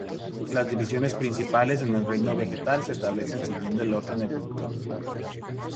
Las divisiones principales en el reino vegetal se establecen siguiendo el orden evolutivo.